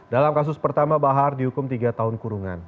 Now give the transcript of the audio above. dalam kasus pertama bahar dihukum tiga tahun kurungan